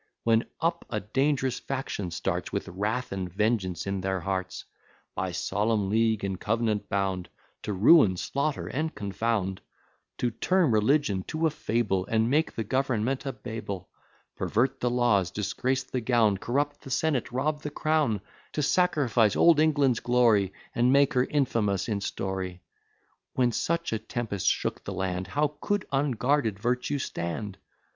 When up a dangerous faction starts, With wrath and vengeance in their hearts; By solemn League and Cov'nant bound, To ruin, slaughter, and confound; To turn religion to a fable, And make the government a Babel; Pervert the laws, disgrace the gown, Corrupt the senate, rob the crown; To sacrifice old England's glory, And make her infamous in story: When such a tempest shook the land, How could unguarded Virtue stand!